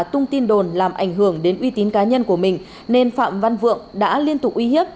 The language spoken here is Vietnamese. tung tin đồn làm ảnh hưởng đến uy tín cá nhân của mình nên phạm văn vượng đã liên tục uy hiếp